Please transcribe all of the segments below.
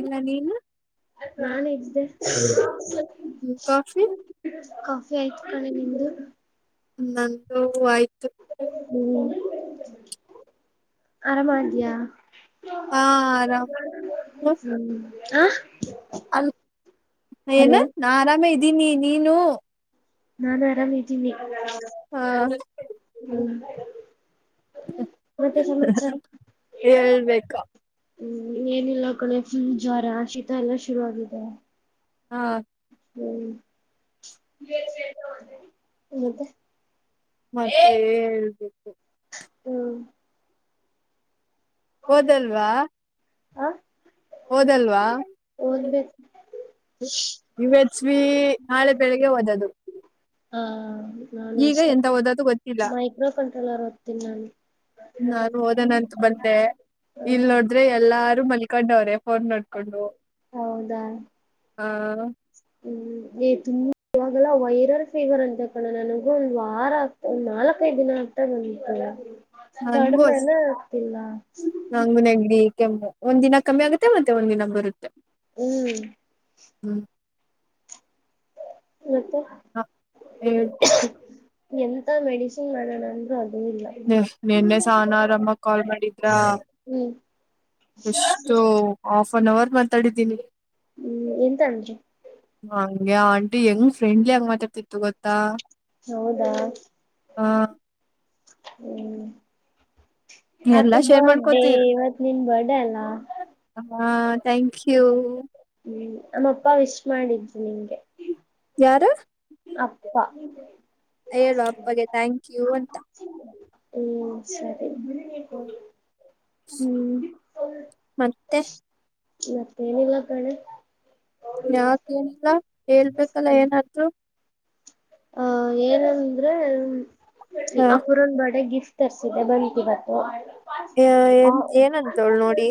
ಇಲ್ಲ ನೀನು ನಾನ ಇಲ್ದೇ ಕಾಫಿ ಕಾಫಿ ಆಯ್ತು ಕಣೆ ನಿಮ್ದು ನಂದು ಆಯ್ತು. ಹ್ಮ್ ಆರಾಮ ಇದಯಾ ಹಾ ಆರಾಮ್ ಹಾ ಅಲ್ ಏನ್ ನಾ ಆರಾಮೇ ಇದ್ದೀನಿ ನೀನು ನಾನು ಆರಾಮತೀನಿ ಹ್ಮ. ಹ ಮತ್ತ ಸಮಾಚಾರ. ಹೇಳ್ಬೇಕ ಹ್ಮ್ ಏನಿಲ್ಲ ಕಡೆ ಫುಲ್ ಜ್ವರ ಶೀತ ಎಲ್ಲಾ ಶುರು ಆಗಾಗಿದೆ. ಹಾ ಹ್ಮ್ ಮತ್ತೆ [inaudible] [inaudible] ಮತ್ತೆ ಹೇಳ್ಬೇಕು ಹ್ಮ ಒಂದಲ್ವಾ ಹಾ [inaudible] ಹೋದಲ್ವಾ ದ ಬ ಸ್ ನಾಳೆ ಬೆಳಗ್ ಹಓದೋದು ಹಾ ನಾನು ಇಷ್ಟ ಓದದು ಗೊತ್ತಿಲ್ಲ ಮೈಕ್ರೋ ಕಂಟ್ರೋಲರ್ ಓದ್ತೀನಿ ನಾನು. ನಾನು ಹೋದನ ಅಂತ ಬಂದೆ ಇಲ್ ಹ್ಮ್ ನೋಡಿದ್ರೆ ಎಲ್ಲ. ರು ಮಲ್ಕೊಂಡವ್ರೇ ಫೋನ್ ಮಾಡಕೊಂಡು ಹೌದಾ ಹ. ತುಂಬ ಇವಾಗೆಲ್ಲ ವೈರಲ್ ಫೀವರ್ ಅಂತಕಣಣ ನನಗ ಒಂದು ವಾರ ಆಗ್ತ ಒಂದ್ ನಾಲ್ಕೈದು ದಿನ. ಮಟ್ಟಲ್ಲ ನನ್ಗೂ ಅಷ್ಟೇ ಕಡಮನ್ನ ಅತಿಲ್ಲ [inaudible] ಕೆಮ್ಮ ಒಂದ್ ದಿನ ಕಮ್ಮಿ ಆಗುತ್ತೆ ಮತ್ತೆ ಒಂದ್ ದಿನ ಬರುತ್ತ. ಹ್ಮ್ ಹ್ಮ್ ಮತ್ತೆ ಹಾ ಎಂತ ಮೆಡಿಸಿನ್ ಮಾಡೋಣ ಅಂದ್ರು ಅದ ನಿನ್ನೆ ಸಾನ ಆರಮ್ಮ ಕಾಲ್ ಮಾಡಿದ್ರ ಹ್ಮ್ ಎಷ್ಟೋ ಹಾಫ್ ಅನ್ ಅವರ್ ಮಾತಾಡಿದ್ದೀನಿ ಹ್ಮ್ ಎಂತ ಅಂಜು ಹಂಗೆ ಆಂಟಿ ಹೆಂಗ್ ಫ್ರೆಂಡ್ಲಿ ಆಗಿ ಮಾತಾಡ್ತಿತ್ತು ಗೊತ್ತಾ ಹೌದಾ ಆ ಹ್ಮ್ ಮತ್ತ ಎಲ್ಲಾ ಶೇರ್ ಬರ್ಡೇ ಮಾಡ್ಕೋತಿದ್ರು ಇವತ್ ನಿನ್ ಬರ್ಡೇ ಅಲ್ಲ ಹಾ ಥ್ಯಾಂಕ್ ಯು ಮಾಡಿದು ನಿಂಗೆ ಯಾರ ಅಪ್ಪ ಹ್ಮ್ ಹೇಳು ಅಪ್ಪಗೆ ಥ್ಯಾಂಕ್ ಯು ಅಂತ ಸರಿ ಹ್ಮ್ ಮತ್ತೆ ಮತ್ತೆ ನಲ್ ಕಣೆ ಯಾಕ ಏನಿಲ್ಲ ಹೇಳ್ಬೇಕಲ್ಲ ಏನಾದ್ರು ಅಹ ಏನಂದ್ರೆ ಹ, ಅಪುರಂದ ಬರ್ಡೆ ಗಿಫ್ಟ್ ತರ್ರಿಸಿದೆ ಬವತ್ತು ಹ ಎನ್ ಏನಂತವಳು ನೋಡಿ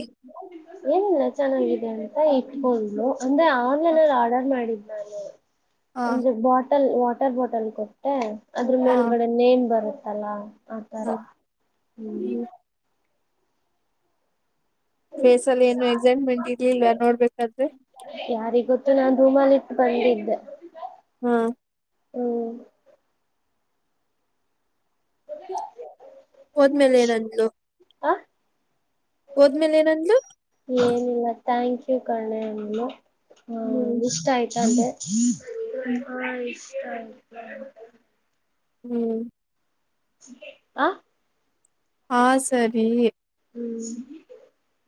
ಏನಿಲ್ಲ ಚೆನ್ನಾಗಿದೆ ಅಂತ ಎಡ್ಫೋನ್ ಅಂದ್ರೆ ಆನ್ಲೈನ್ಲ್ಲಿ ಆರ್ಡರ್ ಮಾಡಿದ್ ನಾನು ಹ ಅಂದ್ರೆ ಬಾಟಲ್ ವಾಟರ್ ಬಾಟಲ್ ಕೊಟ್ಟೆ ಅದ್ರ ಹ ಮೇಲ್ಗಡೆ ನೇಮ್ ಬರುತ್ತೆ ಲಾ ಆತರ ಹ್ಮ್ ಬೇಸಲ್ ಏನು ಎಕ್ಸೈಟ್ಮೆಂಟ್ ಇಲಿಲ್ಲ ನೋಡ್ಬೇಕಾದ್ರೆ ನಾನು ರೂಮ್ ಅಲ್ಲಿ ಇಟ್ಟು ಬಂದಿದ್ದೆ ಹ್ಮ್ ಹ್ಮ ಹೋದ್ಮೇಲೆ ಹೇಳೋಣ ಬಿಡು ಆ ಹೋದ್ಮೇಲೆ ಏನಂದ್ಲು ಏನಿಲ್ಲ ಥ್ಯಾಂಕ್ ಯು ಕಣೆ ಅಂದೇ ಇಷ್ಟ ಆಯ್ತ ಅಂದೇ ಹ್ಮ್ ಹಾ ಇಷ್ಟ ಆಯ ಹ್ಮ್ ಆ [inaudible] ಹಾ ಸರಿ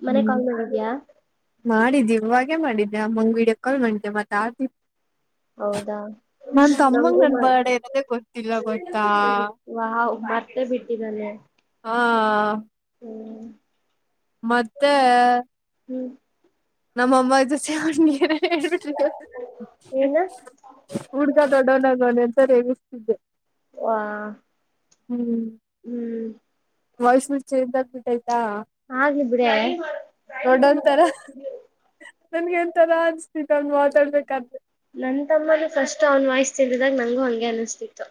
ಮನೆಗೆ ಹ್ಮ್ ಕಾಲ್ ಮಾಡಿದಿಯಾ ಮಾಡಿದ್ದಿ ಇವಾಗೆ ಮಾಡಿದ್ದಿ ಆಮ್ಮಂಗ್ಗ ವಿಡಿಯೋ ಕಾಲ್ ಕಲ್ ಮಾಡಿದೆ ಮತ್ತು ಹಾಗೆ ಹೌದಾ ನಮಗು ನನ್ ಬರ್ಡೇ ಇರೋದೇ ಗೊತ್ತಿಲ್ಲ ಗೊತ್ತಾ ವಾ ಮಾರ್ತೇ ಬಿಟ್ಟಿದ್ದಲ್ಲೆ ಹಾ [inaudible] ಹ್ಮ ಮತ್ತೆ ಹ್ಮ್ ನಮ್ಮ ಅಮ್ಮ ಜೊತೆ ಹಣ್ಣೀರ ಏನ ಹುಡುಗಾ ದೊಡ್ಡೋನ್ನಗನೆ ಸರಿ ಎಸ್ತಿದ್ದೆ ವಾ ಹ್ಮ್ ಹ್ಮ್ ವಯ್ಸ್ ಒಂದ್ ಚೇಂಜ್ ಅಗ್ಬಿತೈತ ಆಗ್ಲಿ ಬಿಡೆ ದೊಡ್ಡವರ ತರ ನನ್ಗೆ ಒಂದತರ ಅನಿಸ್ತಿತು ಅಲ್ಲಿ ಮಾತಾಡ್ಬೇಕಾದ್ರೆ ಅಲ್ಲಿದ್ದಾಗ ನಂಗೂ ಹಂಗೆ ಅನಿಸ್ತಿತ್ತು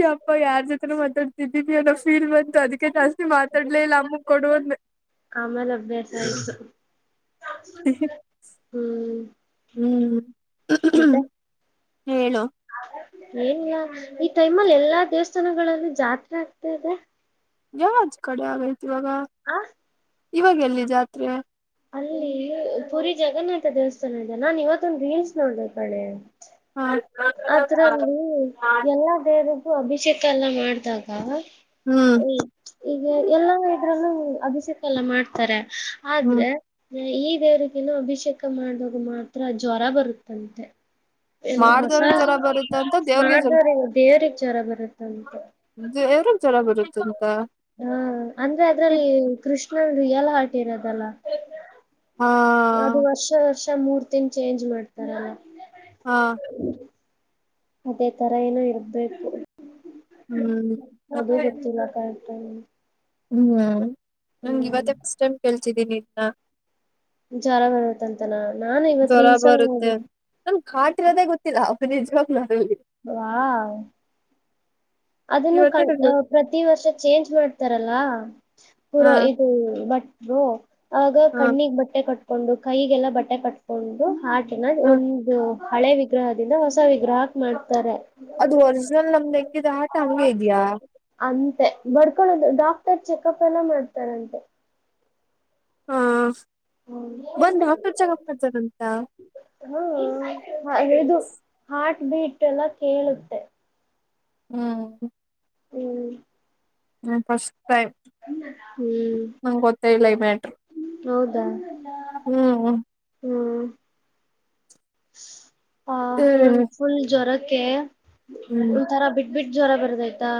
ಯಪ್ಪ ಯಾರ್ ಜೊತೆನು ಮಾತಾಡ್ ಇದ್ದೀ ಅನ್ನೋ ಫೀಲ್ ಬಂತು ಅದಕ್ಕೆ ಜಾಸ್ತಿ ಮಾತಾಡ್ಲೇ ಇಲ್ಲ ಅಮ್ಮು ಕೊಡುಅಂದೇ ಆಮೇಲೆ ಅಭ್ಯಾಸ ಆಯ್ತು ಹ್ಮ್ ಹ್ಮ್ ಮತ್ತೆ ಹೇಳು ಏನಿಲ್ಲ ಈ ಟೈಮಲ್ಲಿ ಎಲ್ಲಾ ದೇವಸ್ಥಾನಗಳಲ್ಲೂ ಜಾತ್ರೆ ಆಗ್ತಾ ಇದೆ ಯಾವ ಕಡೆ ಆಗೈತ್ ಇವಾಗ ಆ ಇವಾಗ ಎಲ್ಲಿ ಜಾತ್ರೆ ಅಲ್ಲಿ ಪುರಿಜಗನ್ನಾಥ ದೇವಸ್ಥಾನ ಇದೆ ನಾನ್ ಇವತ್ತೊಂದು ರೀಲ್ಸ್ ನೋಡಿದೆ ಕಣೆ ಅದ್ರಲ್ಲಿ ಎಲ್ಲಾ ದೇವ್ರು ಅಭಿಷೇಕ ಎಲ್ಲ ಮಾಡಿದಾಗ ಹ್ಮ್ ಈಗ ಎಲ್ಲ ಅಲ್ಲು ಅಭಿಷೆಕ್ಕೆ ಎಲ್ಲ ಮಾಡ್ತಾರೆ ಹ್ಮ್ ಆದ್ರೆ ಈ ದೇವ್ರಗನು ಅಭಿಷೇಕ ಮಾಡ್ದಾಗ ಮಾತ್ರ ಜ್ವರ ಬರುತ್ತಂತೆ ಏ ಹೊಸ ಮಾಡ್ದವ್ರಗ್ ಜ್ವರ ಬರುತ್ತ ಅಂತ ಮಾಡ್ದಾರ ದೇವರಿಗೆ ಜ್ವರ ಬರುತ್ತ ದೇವರಿಗೆ ಜ್ವರ ಬರುತ್ತಂತ ಹಾ ಅಂದ್ರೆ ಅದ್ರಲ್ಲಿ ಕೃಷ್ಣನ್ ರಿಯಲ್ ಹಾರ್ಟ್ ಇರೋದಲ್ಲ ಹಾ ಅದು ವರ್ಷ ವರ್ಷ ಮೂರ್ತಿನ ಚೇಂಜ್ ಮಾಡ್ತಾರಲ್ಲ ಹಾ ಅದೇ ತರ ಏನೋ ಇರ್ಬೇಕು ಹ್ಮ್ ಅದು ಗೊತ್ತಿಲ್ಲ ಅಕ್ಕ [inaudible] ಹ್ಮ್ ನನಗೆ ಇವತ್ತೆ ಫಸ್ಟ್ ಟೈಮ್ ಕೇಳ್ತಿದೀನಿ ಇದ್ನ ಜ್ವರ ಬರುತ್ತಂತನ ಜ್ವರ ಬರುತ್ತೆ ನನಗೆ ಹಾರ್ಟ್ ಇರೋದೇ ಗೊತ್ತಿಲ್ಲ ನಿಜವಾಗ್ಲೂ ಅದ್ರಲ್ಲಿ ವಾವ್ ಅದನ್ನು ಇವತ್ತೇ ಕಣ ನಂಗ ಪ್ರತಿ ವರ್ಷ ಚೇಂಜ್ ಮಾಡ್ತಾರಲ್ಲಾ ಪುರಾ ಹಾ ಇದು ಬಟ್ಲು ಆಗ ಹಾ ಕಣ್ಣಿಗೆ ಬಟ್ಟೆ ಕಟ್ಟಿ ಕೊಂಡು ಕೈಗೆಲ್ಲ ಬಟ್ಟೆ ಕಟ್ಕೊಂಡು ಹಾರ್ಟ್ಟಿನ ಹ ಒಂದು ಹಳೆ ವಿಗ್ರಹ ದಿಂದ ಹೊಸ ವಿಗ್ರಹಕ್ಕೆ ಮಾಡ್ತಾರೆ ಅದು ಒರಿಜಿನಲ್ ನಮ್ದ ಹೆಂಗಿದೆ ಹಾರ್ಟ್ ಹಂಗೇ ಇದೆಯಾ ಅಂತೆ ಬಡ್ಕೊಳೋದು ಡಾಕ್ಟರ್ ಚೆಕಪ್ ಎಲ್ಲ ಮಾಡ್ತಾರಂತೆ ಹಾ ಬಂದು ಡಾಕ್ಟರ್ ಚೆಕಪ್ ಮಾಡ್ತಾರಂತ ಹ ಇದು ಹಾರ್ಟ್ ಇದೆಲ್ಲ ಕೇಳಿದ್ರೆ ಹ್ಮ್ ಹ್ಮ್ ಹ ಫಸ್ಟ್ ಟೈಮ್ ಹ್ಮ್ ನಂಗೆ ಗೊತ್ತ ಇಲ್ಲ ಈ ಮ್ಯಾಟರ್ ಹೌದಾ ಹ್ಮ್ ಹ್ಮ ಆ ನನಗ ಹ್ಮ್ ಫುಲ್ ಜ್ವರಕ್ಕೆ ಒಂಥರ ಬಿಟ್ಟ ಬಿಟ್ಟ ಜ್ವರ ಬರದಾಯ್ತಾ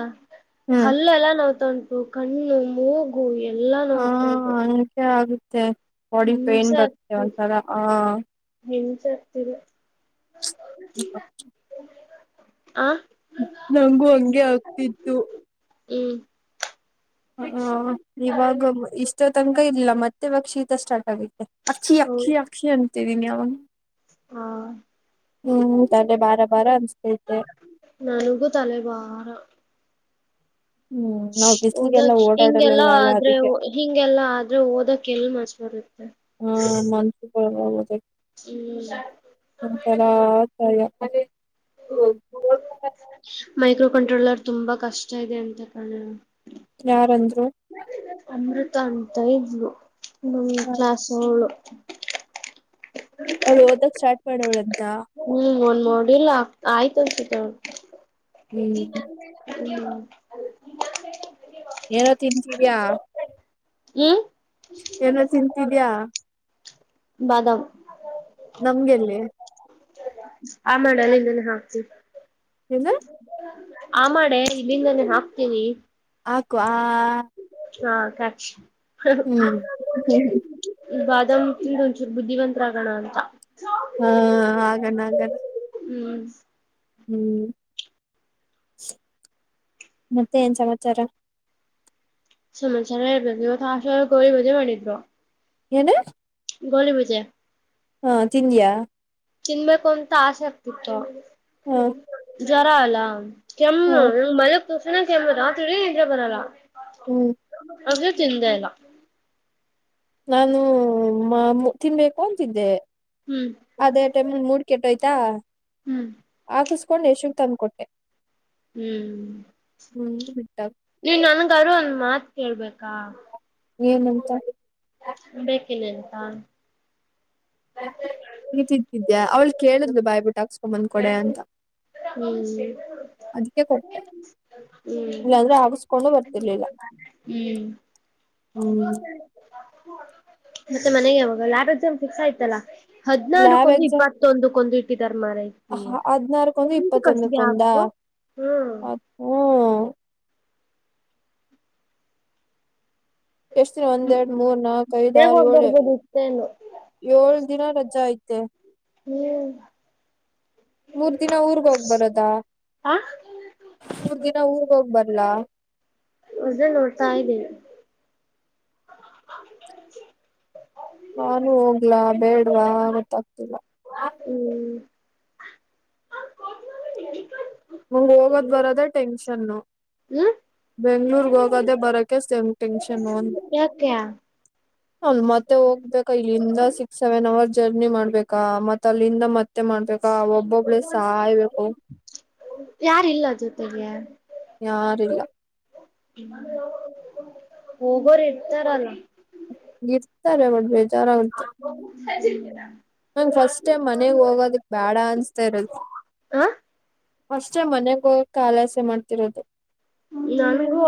ಹ್ಮ್ ಹಲ್ಲ ಎಲ್ಲ ನೋವತಾ ಉಂಟು ಕಣ್ಣು ಮೂಗು ಎಲ್ಲಾ ಹಾ ನೋವತಾ ಇದೆ ಹಂಗೆ ಆಗುತ್ತೆ ಬಾಡಿ ಪೇನ್ ಹಿಂಸೇ ಬರುತ್ತೆ ಆಗ್ತಿದೆ ಒಂಥರ ಹಾ ಹಿಂಸೆ ಆಗ್ತಿದೆ ಹ ಆ ನಂಗು ಹಂಗೆ ಆಗ್ತಿತು ಹ್ಮ್ ಹ ಇವಾಗ ಇಷ್ಟ ತನಕ ಇಲ್ಲ ಮತ್ತೆ ಇವಾಗ ಶೀತ ಸ್ಟಾರ್ಟ್ ಆಗಿದೆ ಅಕ್ಷಿ ಹೌದು ಅಕ್ಷಿ ಅಕ್ಷಿ ಅಂತಿದಿನಿ ಅವಾಗಿಂದ ಹಾ ತಲೆ ಭಾರ ಭಾರ ಅನ್ಸ್ತೈತೆ ನನಗು ತಲೆಬಾರ ಹ್ಮ್ ನಾವ್ ಬಿಸ್ಲಿಗೆಲ್ಲ ಓದಕ್ ಹಿಂಗೆಲ್ಲ ಓಡಾಡಲ್ಲಲ್ಲ ಅಲ್ಲ ಆದ್ರೆ ಅದಕ್ಕೆ ಹಿಂಗೆಲ್ಲ ಆದ್ರೆ ಓದಕ್ ಎಲ್ ಮನಸ್ಸು ಬರುತ್ತೆ ಹಾ ಮನ್ಸು ಹ್ಮ್ ಒಂಥರ ಆತಾಯ [unintelligible] ಮೈಕ್ರೋ ಕಂಟ್ರೋಲರ್ ತುಂಬಾ ಕಷ್ಟ ಇದೆ ಅಂತ ಕಣೆ ಯಾರ ಅಂದರು ಅಮೃತ ಅಂತ ಇದ್ಲು ನಮ್ಮ ಕ್ಲಾಸ್ ಅವಳು ಅವ್ಳು ಓದಕ್ ಸ್ಟಾರ್ಟ್ ಮಾಡ ಅವ್ಳಂ ಹ್ಮ್ ಒಂದ್ ಮಾಡಿಲ್ ಆ ಆಯ್ತ ಅನ್ಸತ ಹ್ಮ್ ಅವಳದ ಹ್ಮ [unintelligible] ಏನೋ ತಿಂತಿದ್ಯಾ ಹ್ಮ್ ಏನೋ ತಿಂತಿದ್ಯಾ ಬಾದಾಮ ನಮ್ಗೆಲ್ಲಿ ಆ ಮಾಡಲ್ಲಿ ಇದನ್ನಾ ಹಾಕ್ತೀನಿ ಏನು ಆ ಮಾಡೆ ಇಲ್ಲಿಂದ ನೇ ಹಾಕ್ತೀನಿ ಹಾಕು ಆ ಹಾ ಕ್ಯಾಚ್ ಹ ಹ್ಮ್ ಇದು ಬಾದಾಮ ತಿಂದ ಒಂಚೂರು ಬುದ್ಧಿವಂತರ ಆಗೋಣ ಅಂತ ಹಾ ಹಾಗಣ ಆಗಣ ಹ್ಮ್ ಹ್ಮ್ ಮತ್ತೆ ಏನ್ ಸಮಾಚಾರ ಸಮಾಚಾರ ಹೇಳಬೇಕು ಇವತ್ತು ಆಷ್ಟಲಲ್ಲಿ ಗೂಲಿ ಭಜಿ ಮಾಡಿದ್ರು ಏನು ಗೋಲಿ ಬಜಿ ಹಾ ತಿಂದಿಯಾ ತಿನ್ಬೇಕು ಅಂತ ಆಸೆ ಆಗ್ತಿತ್ತು ಹ್ಮ್ ಜ್ವರ ಅಲ್ಲಾ ಕೆಮ್ಮು ಮಲ್ಗ್ ತಕ್ಷಣ ಕೆಮ್ಮು ರಾತ್ರಿ ಇಡಿ ನಿದ್ದೆ ಬರಲ್ಲ ಹ್ಮ್ ಅದ್ಕೆ ತಿಂದೆ ಇಲ್ಲ ನಾನು ಮಾಮು ತಿನ್ಬೇಕು ಅಂತಿದ್ದೆ ಹ್ಮ್ ಅದೇ ಟೈಮಗ ಮೂಡ್ ಕೆಟ್ಟೋಯ್ತಾ ಹ್ಮ್ ಹಾಕಸ್ಕೊಂಡ್ ಯಶೂಗ್ ತಂದ್ಕೊಟ್ಟೆ ಹ್ಮ್ ಹ್ಮ್ ಬಿಟ್ಟಾಗ ನೀನ್ ನನ್ಗಾರು ಒಂದ್ ಮಾತ್ ಕೇಳ್ಬೇಕಾ ಏನಂತ ಕ್ಕಿನಂತಾ ನೀ ತಿಂತಿದ್ಯಾ ಅವ್ಳ್ ಕೇಳುದ್ಲು ಬಾಯ್ಬುಟ್ ಹಾಕ್ಸ್ಕೊಂಬಂದ್ ಕೊಡೇ ಅಂತ ಹ್ಮ್ ಅದಕ್ಕೆ ಕೊಟ್ಟೆ ಹ್ಮ್ ಇಲ್ಲಾಂದ್ರೆ ಹಾಕುಸ್ಕೊಂಡು ಬರ್ತ್ ತ್ತಿರ್ಲಿಲ್ಲ ಹ್ಮ್ ಮತ್ತೆ ಮನೆಗೆ ಯಾವಾಗ ಲ್ಯಾಬ್ ಎಕ್ಸಾಮ್ ಫಿಕ್ಸ್ ಆಯ್ತಲ್ಲ ಹದ್ನಾರುಕ್ಕೊಂದು ಇಪ್ಪತ್ತೊಂದುಕ್ಕೊಂದು ಇಟ್ ಹ ಅದ್ನಾರುಕ್ಕೊಂದು ಎಂತಕ್ ಅಷ್ಟ್ ಇಪ್ಪತ್ತೊಂದುಕ್ ಗ್ಯಾಪ್ ಒಂದಾ ಹ್ಮ್ ಅದ್ ಹ್ಮ್. ಎಷ್ಟ್ ದಿನ ಒಂದ್ ಎರಡ್ ಮೂರ್ ನಾಲ್ಕು ಐದ ಬೇಗ ಆರ್ ಹೋಗ್ ಯೋಳ್ ಬರ್ಬೋದು ಇತ್ತೇನು ಏಳು ದಿನ ರಜಾ ಐತೆ. ಹ್ಮ್ ಮೂರ್ ದಿನ ಊರ್ಗ್ ಹೋಗ್ ಬರದಾ ಆ ಮೂರ್ ದಿನ ಊರ್ಗ್ ಹೋಗ್ ಬರ್ಲಾ ಅದೇ ನೋಡ್ತಾ ಇದ್ದೀನಿ ನಾನು ಹೋಗ್ಲಾ ಬೇಡ್ವಾ ಗೊತ್ತಾಗ್ತಿಲ್ಲ [unintelligible] ನನಗ ಹೋಗೋದ್ ಬರೋದೆ ಟೆನ್ಷನ್ನು ಹ್ಮ್ ಬೆಂಗ್ಳೂರ್ಗೆ ಹೋಗದೆೇ ಬರಕೆ ಸೆಮ್ ಟೆಂಕ್ಷನ್ ಅಂದೆ ಯಾಕೆ ಹೌದ ಮತ್ತೆ ಹೋಗ್ಬೇಕ ಇಲ್ಲಿಂದ ಸಿಕ್ಸ್ ಸೆವೆನ್ ಅವರ್ ಜರ್ನಿ ಮಾಡ್ಬೇಕಾ ಮತ್ತ್ ಅಲ್ಲಿಂದ ಮತ್ತೆ ಮಾಡ್ಬೇಕಾ ಒಬ್ಬೊಬ್ಳೇ ಸಾಯ್ಬೇಕು ಯಾರಿಲ್ಲ ಜೊತೆಗೆ ಯಾರಿಲ್ಲ ಹೋಗೋರ್ ಇರ್ತಾರಲ್ಲ. ಇರ್ತಾರೆ [unintelligible] [unintelligible] ನಂಗ್ ಫಸ್ಟ್ ಟೈಮ್ ಮನೆಗ್ ಹೋಗದುಕ್ ಬ್ಯಾಡ ಅನ್ಸ್ತಾ ಇರದ್. ಹ ಫಸ್ಟ್ ಟೈಮ್ ಮನೆಗ್ ಹೋಗಕ್ ಆಲಸ್ಯ ಮಾಡ್ತಿರೋದು. ನನ್ಗು.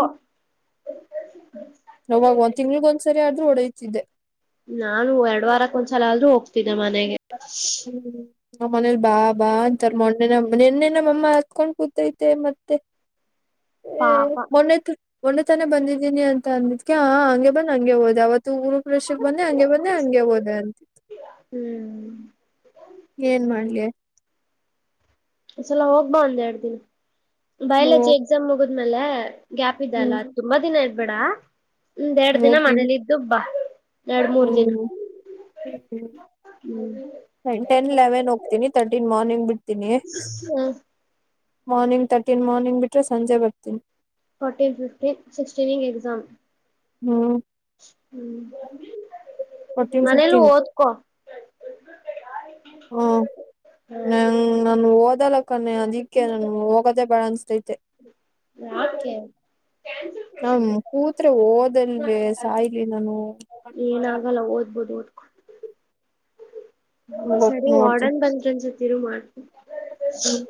ಅವಾಗ ತಿಂಗ್ಳಿಗ್ ಒಂದ್ಸರಿ ಆದ್ರೂ ಓಡೋಯ್ತಿದ್ದೆ. ನಾನು ಎರಡ್ ವಾರಕ್ ಒಂದ್ಸಲ ಆದ್ರೂ ಹೋಗ್ತಿದ್ದೆ ಮನೆಗೆ. ಹ್ಮ್ ನಮ್ಮ್ ಮನೇಲಿ ಬಾ ಬಾ ಅಂತರ್ ಮೊನ್ನೆ ನಿನ್ನೆ ನಮ್ ಅಮ್ಮ ಅತ್ಕೊಂಡ್ ಕೂತೈತೆ ಮತ್ತೆ. ಪಾಪ [inaudible] ಮೊನ್ನೆ ಮೊನ್ನೆ ತನ ಬಂದಿದ್ದೀನಿ ಅಂತ ಅಂದಿದ್ಕೆ ಹಾ ಹಂಗೆ ಬಂದ್ ಹಂಗೆ ಹೋದೆ ಅವತ್ ತ್ತು ಗೃಹಪ್ರವೇಶುಕ್ ಬಂದೆ ಹಂಗೆ ಬಂದೆ ಹಂಗೆ ಹೋದೆ ಅಂತಿತ್ ಹ್ಮ್ ಏನ್ ಮಾಡ್ಲಿ. ಈ ಸಲ ಹೋಗ್ಬಾ ಒಂದ್ ಎರಡ್ ದಿನ ಮೂ ಬಯಲಜಿ ಎಕ್ಸಾಮ್ ಮುಗುದ್ಮೇಲೆ. ಗ್ಯಾಪ್ ಇದ ಹ್ಮ್ ಅಲ ತುಂಬಾ ದಿನ ಇರ್ಬೇಡ ಒಂದ್ ಎರಡ್ ದಿನ ಮನೇಲಿದ್ದು ಬಾ. ಎರಡ್ ಮೂರ್ ದಿನ ಹ್ಮ್ ಹ್ಮ್ ಹ್ಮ್ ಟೆನ್ ಲೆವೆನ್ ಹೋಗ್ತೀನಿ ತರ್ಟಿನ್ ಮಾರ್ನಿಂಗ್ ಬಿಟ್ ಹ್ಮ್ ಮಾರ್ನಿಂಗ್ ತರ್ಟೀನ್ ಮಾರ್ನಿಂಗ್ ಬಿಟ್ರೆ ಸಂಜೆ ಬರ್ತೀನಿ. ಫೋರ್ಟೀನ್ ಫಿಕ್ಟೀನ್ ಸಿಕ್ಟೀನ್ಗೆ ಎಕ್ಸಾಮ್. ಹ್ಮ್ ಹ್ಮ್ ಫೋರ್ಟೀನ್ ಮನೇಲು ಫಿಫ್ಟೀನ್ ಒದ್ಕೋ. ಹ್ಮ ನ ಹ್ಮ್ ನಾನು ಓದಲಕ್ಕಣೆ ಅದಿಕ್ಕೆ ನನ್ ಹೋಗೋದೇ ಬೇಡ ಅನಿಸ್ ತೆ ಯಾಕೆ. ಹ ಕೂತ್ರೆ ಓದಲ್ವೇ ಸಾಯಿಲಿ ನಾನು. ಏನಾಗಲ್ಲ ಓದ್ಬೋದು ಓದ್ಕೊ ಹೋಗ್ ಸರಿ ನೋಡ್ತೀನಿ ವಾರ್ಡನ್ ಬಂದ್ರು ಅನ್ಸುತ್ತೆ ಇರು ಮಾಡ್ ಹ್ಮ್